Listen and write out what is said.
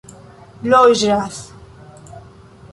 loĝas